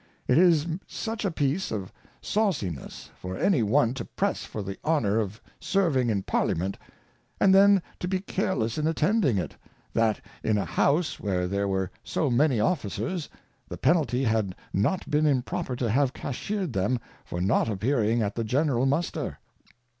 It is such a piece of Sawciness for any one to press for the Honour of serving in Parliament, and then to be careless in Attending it, that in a House where there were so many Ofiicers, the Penalty had not been improper to have Cashier'd them for not appearing at the General Muster.